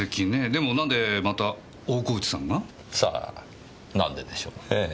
でもなんでまた大河内さんが？さぁなんででしょうねぇ。